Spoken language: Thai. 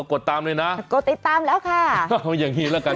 กดตามเลยนะกดติดตามแล้วค่ะเอาอย่างงี้ละกัน